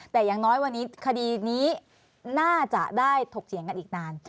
แต่อย่างน้อยวันนี้คดีนี้น่าจะได้ถกเถียงกันอีกนาน